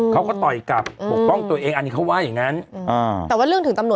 เขาก็ต่อยกกลับปกป้องตัวเองอันนี้เขาว่าอย่างนั้น